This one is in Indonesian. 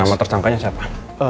nama tersangkanya siapa